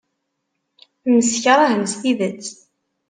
Msekṛahen s tidet.